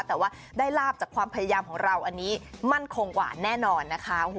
แต่ว่าได้ลาบจากความพยายามของเราอันนี้มั่นคงหวานแน่นอนนะคะ